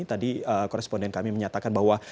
tadi koresponden kami menyatakan bahwa